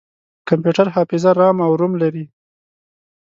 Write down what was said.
کمپیوټر حافظه رام او روم لري.